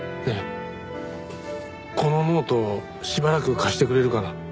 ねえこのノートしばらく貸してくれるかな？